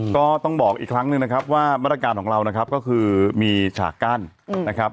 ก็ต้องบอกอีกครั้งหนึ่งนะครับว่ามาตรการของเรานะครับก็คือมีฉากกั้นนะครับ